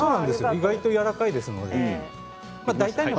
意外とやわらかいですからね。